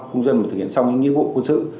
công dân đã thực hiện xong những nhiệm vụ quân sự